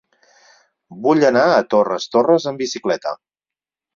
Vull anar a Torres Torres amb bicicleta.